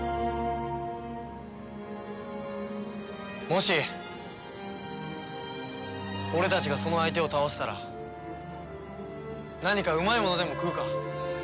もし俺たちがその相手を倒せたら何かうまいものでも食うか。